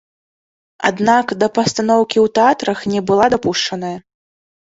Аднак да пастаноўкі ў тэатрах не была дапушчаная.